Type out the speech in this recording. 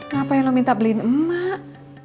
ngapain lo minta beliin emak